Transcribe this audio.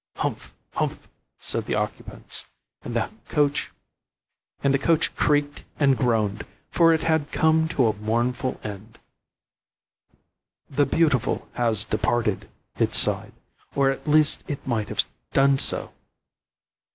"Humph! humph!" said the occupants, and the coach creaked and groaned; for it had come to a mournful end. "The beautiful has departed," it sighed or at least it might have done so.